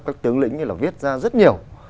các tướng lĩnh là viết ra rất nhiều